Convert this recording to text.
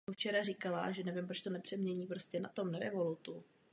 Jsou striktně dány a také vyznačeny v každé jednotlivé třídě.